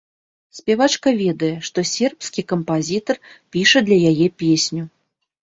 Спявачка ведае, што сербскі кампазітар піша для яе песню.